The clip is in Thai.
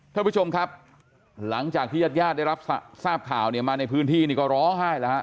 ท่านผู้ชมครับหลังจากที่ญาติญาติได้รับทราบข่าวเนี่ยมาในพื้นที่นี่ก็ร้องไห้แล้วฮะ